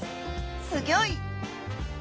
すギョい！